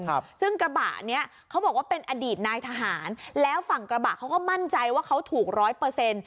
ครับซึ่งกระบะเนี้ยเขาบอกว่าเป็นอดีตนายทหารแล้วฝั่งกระบะเขาก็มั่นใจว่าเขาถูกร้อยเปอร์เซ็นต์